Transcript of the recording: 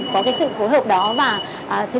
có cái sự phối hợp với dự án chống lừa đảo của ngô minh hiếu